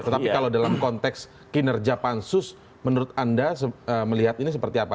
tetapi kalau dalam konteks kinerja pansus menurut anda melihat ini seperti apa